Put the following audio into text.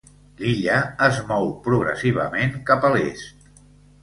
L'illa es mou progressivament cap a l'est.